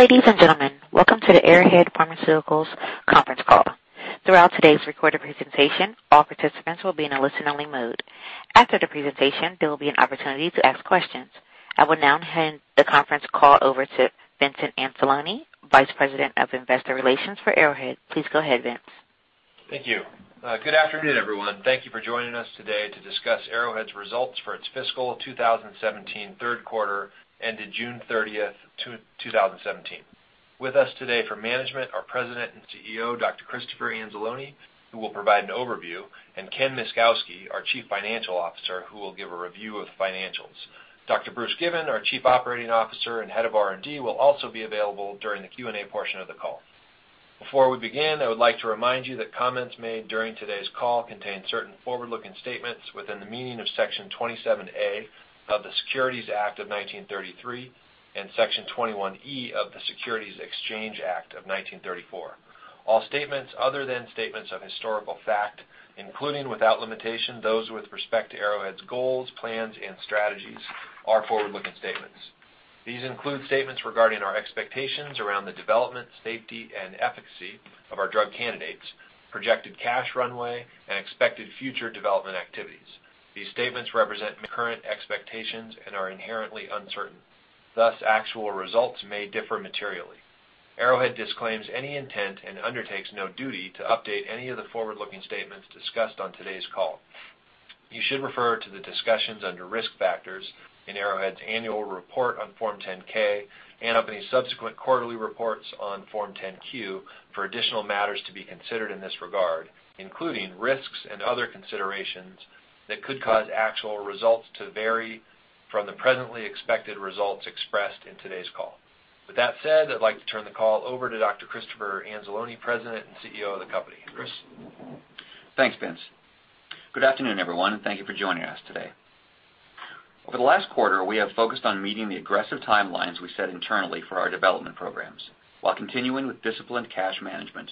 Ladies and gentlemen, welcome to the Arrowhead Pharmaceuticals conference call. Throughout today's recorded presentation, all participants will be in a listen-only mode. After the presentation, there will be an opportunity to ask questions. I will now hand the conference call over to Vince Anzalone, Vice President of Investor Relations for Arrowhead. Please go ahead, Vince. Thank you. Good afternoon, everyone. Thank you for joining us today to discuss Arrowhead's results for its fiscal 2017 third quarter ended June 30th, 2017. With us today for management, our President and CEO, Dr. Christopher Anzalone, who will provide an overview, and Ken Myszkowski, our Chief Financial Officer, who will give a review of financials. Dr. Bruce Given, our Chief Operating Officer and Head of R&D, will also be available during the Q&A portion of the call. Before we begin, I would like to remind you that comments made during today's call contain certain forward-looking statements within the meaning of Section 27A of the Securities Act of 1933 and Section 21E of the Securities Exchange Act of 1934. All statements other than statements of historical fact, including without limitation those with respect to Arrowhead's goals, plans and strategies, are forward-looking statements. These include statements regarding our expectations around the development, safety, and efficacy of our drug candidates, projected cash runway, and expected future development activities. These statements represent current expectations and are inherently uncertain. Thus, actual results may differ materially. Arrowhead disclaims any intent and undertakes no duty to update any of the forward-looking statements discussed on today's call. You should refer to the discussions under Risk Factors in Arrowhead's annual report on Form 10-K and of any subsequent quarterly reports on Form 10-Q for additional matters to be considered in this regard, including risks and other considerations that could cause actual results to vary from the presently expected results expressed in today's call. With that said, I'd like to turn the call over to Dr. Christopher Anzalone, President and CEO of the company. Chris? Thanks, Vince. Good afternoon, everyone, and thank you for joining us today. Over the last quarter, we have focused on meeting the aggressive timelines we set internally for our development programs while continuing with disciplined cash management.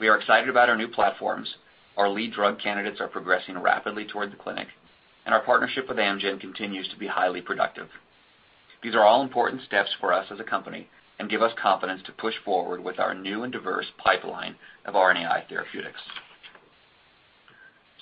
We are excited about our new platforms. Our lead drug candidates are progressing rapidly toward the clinic, and our partnership with Amgen continues to be highly productive. These are all important steps for us as a company and give us confidence to push forward with our new and diverse pipeline of RNAi therapeutics.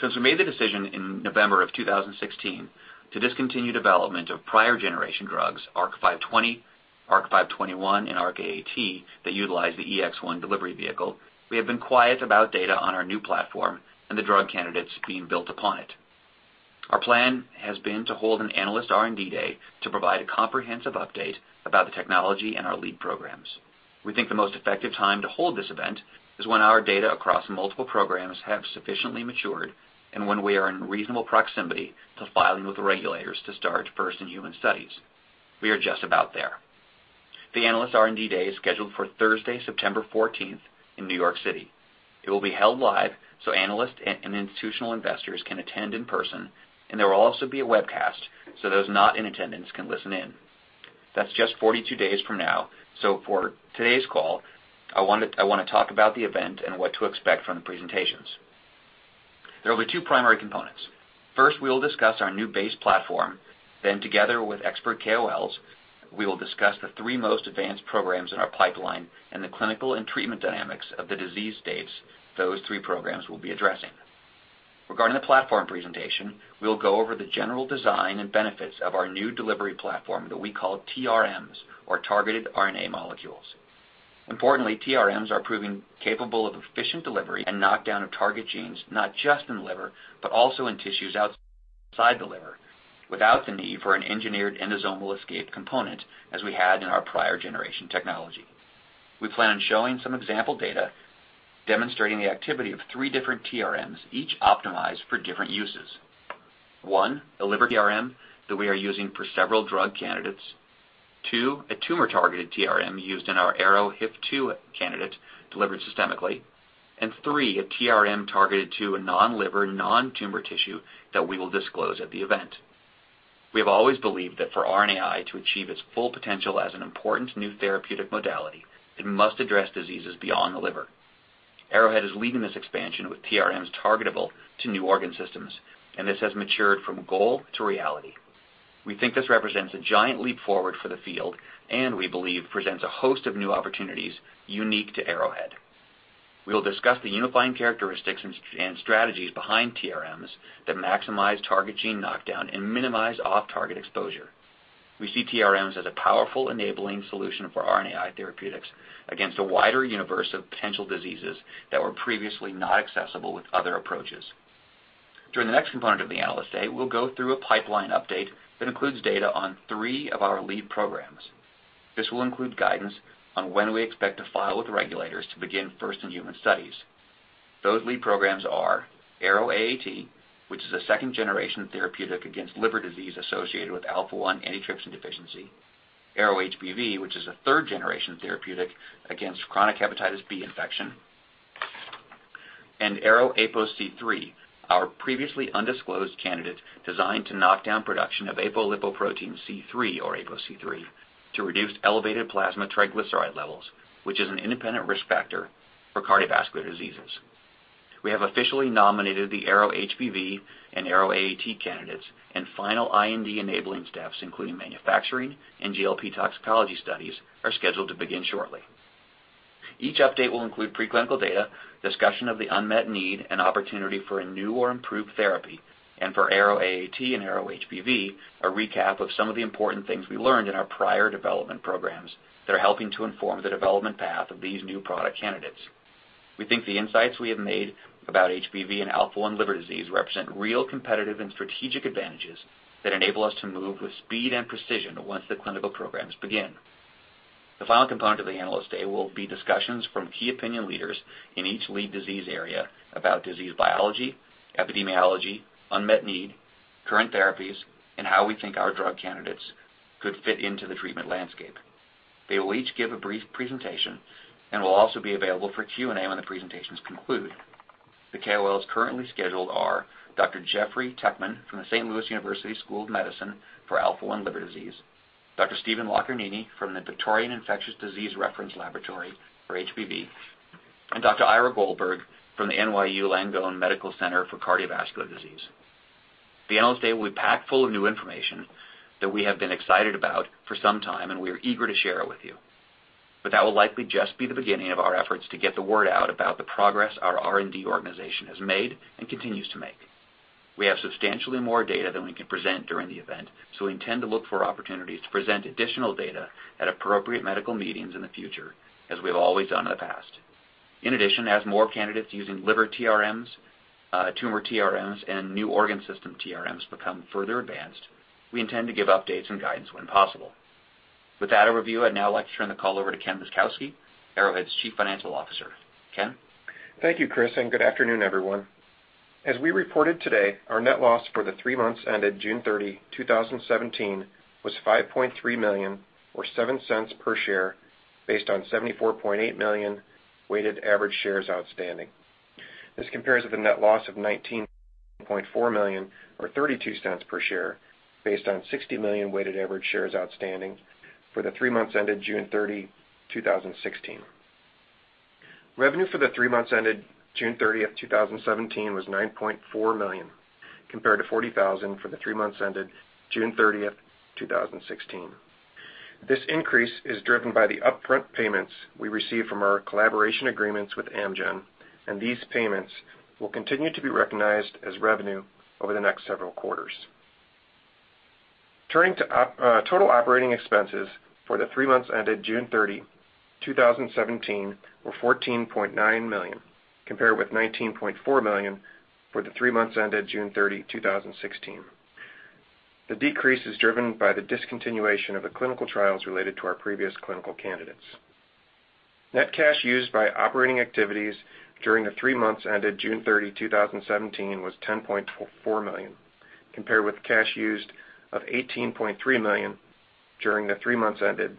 Since we made the decision in November of 2016 to discontinue development of prior generation drugs, ARC-520, ARC-521, and ARC-AAT, that utilize the EX1 delivery vehicle, we have been quiet about data on our new platform and the drug candidates being built upon it. Our plan has been to hold an analyst R&D day to provide a comprehensive update about the technology and our lead programs. We think the most effective time to hold this event is when our data across multiple programs have sufficiently matured and when we are in reasonable proximity to filing with the regulators to start first-in-human studies. We are just about there. The analyst R&D day is scheduled for Thursday, September 14th in New York City. It will be held live so analysts and institutional investors can attend in person, and there will also be a webcast so those not in attendance can listen in. That's just 42 days from now, so for today's call, I want to talk about the event and what to expect from the presentations. There will be two primary components. First, we will discuss our new base platform. Together with expert KOLs, we will discuss the three most advanced programs in our pipeline and the clinical and treatment dynamics of the disease states those three programs will be addressing. Regarding the platform presentation, we'll go over the general design and benefits of our new delivery platform that we call TRiMs or Targeted RNAi Molecules. Importantly, TRiMs are proving capable of efficient delivery and knockdown of target genes, not just in the liver, but also in tissues outside the liver without the need for an engineered endosomal escape component as we had in our prior generation technology. We plan on showing some example data demonstrating the activity of three different TRiMs, each optimized for different uses. One, a liver TRiM that we are using for several drug candidates. Two, a tumor-targeted TRiM used in our ARO-HIF2 candidate delivered systemically, and three, a TRiM targeted to a non-liver, non-tumor tissue that we will disclose at the event. We have always believed that for RNAi to achieve its full potential as an important new therapeutic modality, it must address diseases beyond the liver. Arrowhead is leading this expansion with TRiMs targetable to new organ systems, and this has matured from goal to reality. We think this represents a giant leap forward for the field, and we believe presents a host of new opportunities unique to Arrowhead. We will discuss the unifying characteristics and strategies behind TRiMs that maximize target gene knockdown and minimize off-target exposure. We see TRiMs as a powerful enabling solution for RNAi therapeutics against a wider universe of potential diseases that were previously not accessible with other approaches. During the next component of the Analyst Day, we'll go through a pipeline update that includes data on three of our lead programs. This will include guidance on when we expect to file with regulators to begin first-in-human studies. Those lead programs are ARO-AAT, which is a second-generation therapeutic against liver disease associated with alpha-1 antitrypsin deficiency. ARO-HBV, which is a third-generation therapeutic against chronic hepatitis B infection. ARO-APOC3, our previously undisclosed candidate designed to knock down production of apolipoprotein C-III or APOC3 to reduce elevated plasma triglyceride levels, which is an independent risk factor for cardiovascular diseases. We have officially nominated the ARO-HBV and ARO-AAT candidates and final IND-enabling steps, including manufacturing and GLP toxicology studies, are scheduled to begin shortly. Each update will include preclinical data, discussion of the unmet need, opportunity for a new or improved therapy, for ARO-AAT and ARO-HBV, a recap of some of the important things we learned in our prior development programs that are helping to inform the development path of these new product candidates. We think the insights we have made about HBV and alpha-1 liver disease represent real competitive and strategic advantages that enable us to move with speed and precision once the clinical programs begin. The final component of the Analyst Day will be discussions from key opinion leaders in each lead disease area about disease biology, epidemiology, unmet need, current therapies, and how we think our drug candidates could fit into the treatment landscape. They will each give a brief presentation and will also be available for Q&A when the presentations conclude. The KOLs currently scheduled are Dr. Jeffrey Teckman from the Saint Louis University School of Medicine for alpha-1 liver disease, Dr. Stephen Locarnini from the Victorian Infectious Diseases Reference Laboratory for HBV, Dr. Ira Goldberg from the NYU Langone Health for cardiovascular disease. The Analyst Day will be packed full of new information that we have been excited about for some time, we are eager to share it with you. That will likely just be the beginning of our efforts to get the word out about the progress our R&D organization has made and continues to make. We have substantially more data than we can present during the event, so we intend to look for opportunities to present additional data at appropriate medical meetings in the future, as we have always done in the past. In addition, as more candidates using liver TRiMs, tumor TRiMs, and new organ system TRiMs become further advanced, we intend to give updates and guidance when possible. With that overview, I'd now like to turn the call over to Ken Myszkowski, Arrowhead's Chief Financial Officer. Ken? Thank you, Chris. Good afternoon, everyone. As we reported today, our net loss for the three months ended June 30, 2017, was $5.3 million, or $0.07 per share, based on 74.8 million weighted average shares outstanding. This compares with a net loss of $19.4 million or $0.32 per share, based on 60 million weighted average shares outstanding for the three months ended June 30, 2016. Revenue for the three months ended June 30, 2017, was $9.4 million, compared to $40,000 for the three months ended June 30, 2016. This increase is driven by the upfront payments we received from our collaboration agreements with Amgen, these payments will continue to be recognized as revenue over the next several quarters. Turning to total operating expenses for the three months ended June 30, 2017, were $14.9 million, compared with $19.4 million for the three months ended June 30, 2016. The decrease is driven by the discontinuation of the clinical trials related to our previous clinical candidates. Net cash used by operating activities during the three months ended June 30, 2017, was $10.4 million, compared with cash used of $18.3 million during the three months ended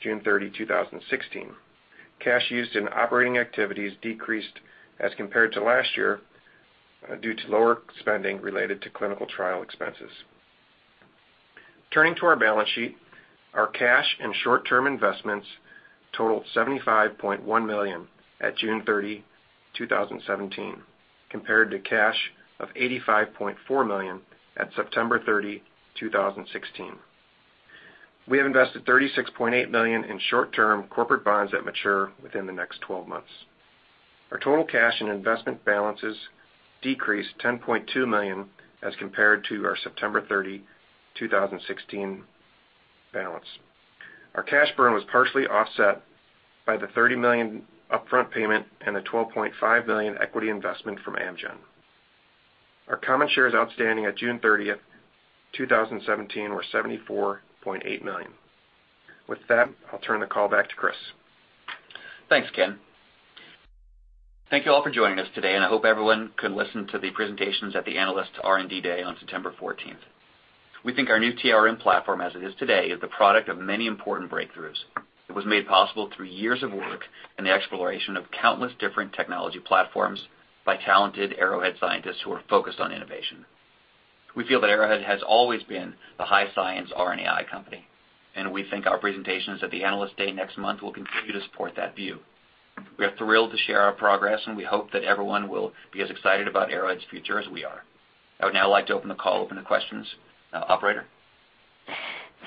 June 30, 2016. Cash used in operating activities decreased as compared to last year due to lower spending related to clinical trial expenses. Turning to our balance sheet, our cash and short-term investments totaled $75.1 million at June 30, 2017, compared to cash of $85.4 million at September 30, 2016. We have invested $36.8 million in short-term corporate bonds that mature within the next 12 months. Our total cash and investment balances decreased $10.2 million as compared to our September 30, 2016, balance. Our cash burn was partially offset by the $30 million upfront payment and the $12.5 million equity investment from Amgen. Our common shares outstanding at June 30, 2017, were 74.8 million. With that, I'll turn the call back to Chris. Thanks, Ken. Thank you all for joining us today. I hope everyone can listen to the presentations at the Analyst R&D Day on September 14. We think our new TRiM platform as it is today is the product of many important breakthroughs. It was made possible through years of work and the exploration of countless different technology platforms by talented Arrowhead scientists who are focused on innovation. We feel that Arrowhead has always been the high science RNAi company, and we think our presentations at the Analyst Day next month will continue to support that view. We are thrilled to share our progress, and we hope that everyone will be as excited about Arrowhead's future as we are. I would now like to open the call to questions. Operator?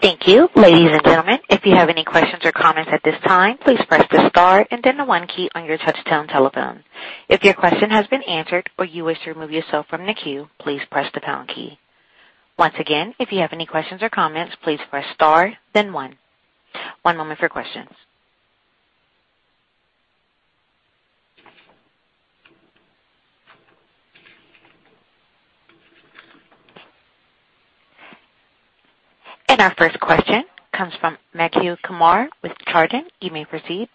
Thank you. Ladies and gentlemen, if you have any questions or comments at this time, please press the star and then the one key on your touchtone telephone. If your question has been answered or you wish to remove yourself from the queue, please press the pound key. Once again, if you have any questions or comments, please press star, then one. One moment for questions. Our first question comes from Madhu Kumar with Chardan. You may proceed.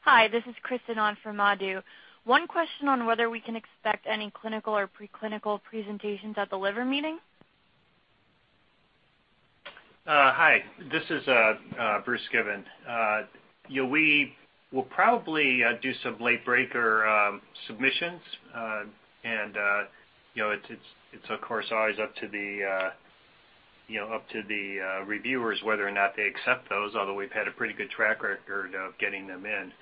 Hi, this is Kristen on for Madhu Kumar. One question on whether we can expect any clinical or pre-clinical presentations at the liver meeting. Hi, this is Bruce Given. We will probably do some late-breaker submissions. It's of course always up to the reviewers whether or not they accept those, although we've had a pretty good track record of getting them in.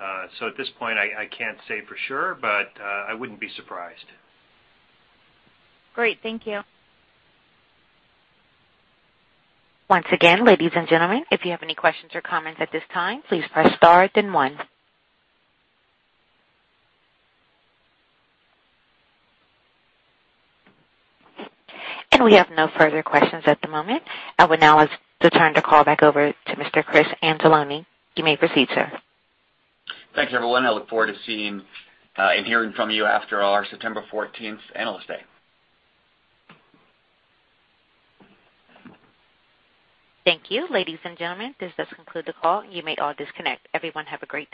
At this point, I can't say for sure, but I wouldn't be surprised. Great. Thank you. Once again, ladies and gentlemen, if you have any questions or comments at this time, please press star then one. We have no further questions at the moment. I would now like to turn the call back over to Mr. Chris Anzalone. You may proceed, sir. Thanks, everyone. I look forward to seeing and hearing from you after our September 14th Analyst Day. Thank you. Ladies and gentlemen, this does conclude the call. You may all disconnect. Everyone have a great day.